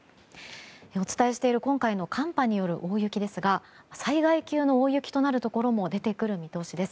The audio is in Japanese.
お伝えしている今回の寒波による大雪ですが災害級の大雪となるところも出てくる見通しです。